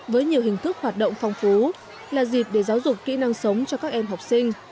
với nhiều hình thức hoạt động phong phú là dịp để giáo dục kỹ năng sống cho các em học sinh